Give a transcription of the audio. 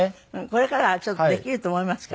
これからはできると思いますから。